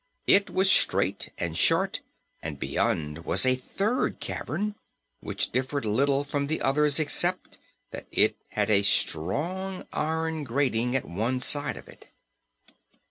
It was straight and short and beyond was a third cavern, which differed little from the others except that it had a strong iron grating at one side of it.